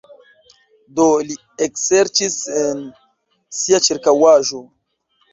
Do li ekserĉis en sia ĉirkaŭaĵo.